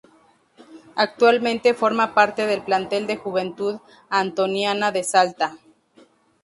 Actualmente forma parte del plantel de Juventud Antoniana de Salta.